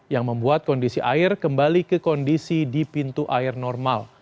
yang membuat kondisi air kembali ke kondisi di pintu air normal